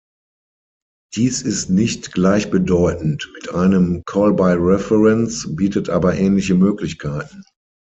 Dies ist nicht gleichbedeutend mit einem "call by reference", bietet aber ähnliche Möglichkeiten.